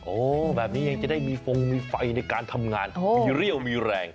โอ้โหแบบนี้ยังจะได้มีฟงมีไฟในการทำงานมีเรี่ยวมีแรง